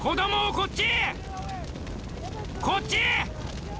こっち！